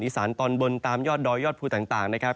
สานตอนบนตามยอดดอยยอดภูต่างนะครับ